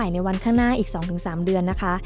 ในวันข้างหน้าอีก๒๓เดือนนะคะ